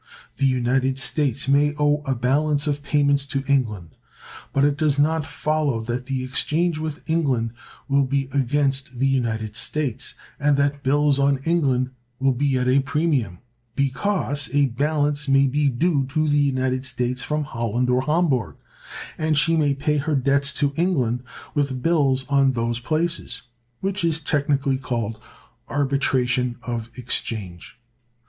The United States may owe a balance of payments to England; but it does not follow that the exchange with England will be against the United States, and that bills on England will be at a premium; because a balance may be due to the United States from Holland or Hamburg, and she may pay her debts to England with bills on those places; which is technically called arbitration of exchange.